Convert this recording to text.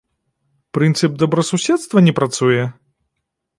Прынцып добрасуседства не працуе?